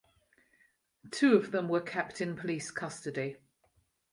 Two of them were kept in police custody.